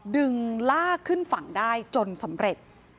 ดึงลากขึ้นฝั่งได้จนสำเร็จ